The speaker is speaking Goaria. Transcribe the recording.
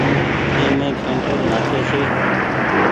اي مين پيٽول نآ ڪي ڇي۔